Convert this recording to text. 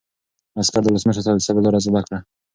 عسکر له ولسمشر څخه د صبر لاره زده کړه.